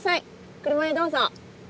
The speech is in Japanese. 車へどうぞ。